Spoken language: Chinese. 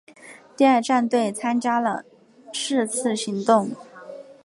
第二战队参加了是次行动。